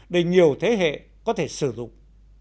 để nhiều thế hệ có thể sử dụng